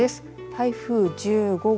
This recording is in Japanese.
台風１５号